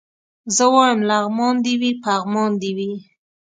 زه وايم لغمان دي وي پغمان دي وي